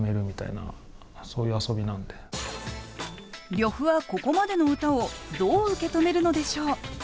呂布はここまでの歌をどう受け止めるのでしょう。